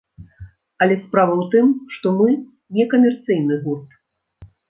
Але справа ў тым, што мы не камерцыйны гурт.